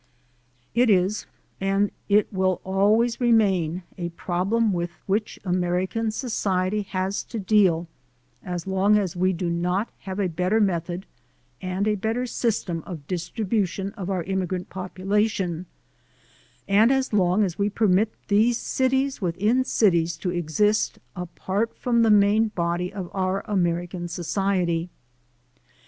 It is and it will always remain a problem with which American society has to deal as long as we do not have a better method and a better system of distribution of our immigrant population, and as long as we permit these cities within cities to exist apart from the main body of our American society.